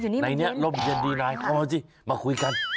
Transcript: ในนี้ร่มเย็นดีไลน์เข้ามาสิมาคุยกัน